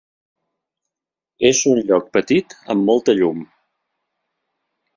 És un lloc petit amb molta llum.